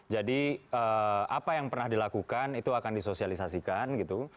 jadi apa yang pernah dilakukan itu akan disosialisasikan gitu